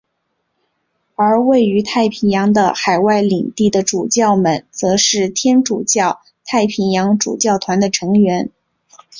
而位于太平洋的海外领地的主教们则是天主教太平洋主教团的成员。